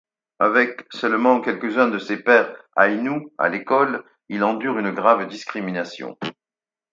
Avec seulement quelques-uns de ses pairs aïnous à l'école, il endure une grave discrimination.